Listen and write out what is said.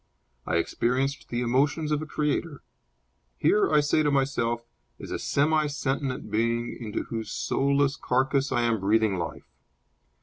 I experience the emotions of a creator. Here, I say to myself, is a semi sentient being into whose soulless carcass I am breathing life.